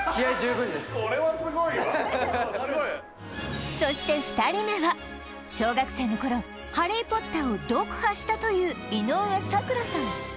これはすごいわそして２人目は小学生の頃ハリー・ポッターを読破したという井上咲楽さん